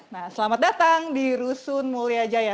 nah selamat datang di rusun mulia jaya